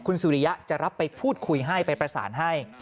คุณสุริยะจะรับไปพูดคุยให้ไปประสานให้